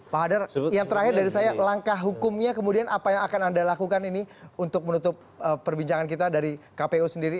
pak hadar yang terakhir dari saya langkah hukumnya kemudian apa yang akan anda lakukan ini untuk menutup perbincangan kita dari kpu sendiri